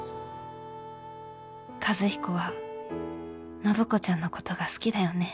和彦は暢子ちゃんのことが好きだよね。